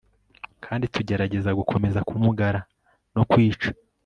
kandi tugerageza gukomeza kumugara no kwica